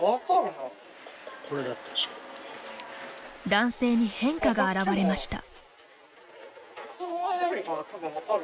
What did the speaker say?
男性に変化が現れました。